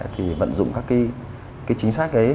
thì vận dụng các chính sách ấy